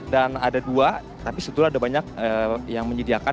dan ada dua tapi sebetulnya ada banyak yang menyediakan